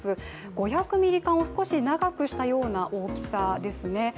５００ミリ缶を少し長くしたような長さですね。